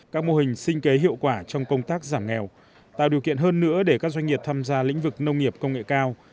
các mô hình sinh kế hiệu quả trong công tác giảm nghèo tạo điều kiện hơn nữa để các doanh nghiệp tham gia lĩnh vực nông nghiệp công nghệ cao